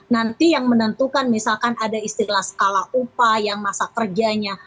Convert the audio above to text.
nanti yang menentukan misalkan ada istilah skala upah yang masa kerjanya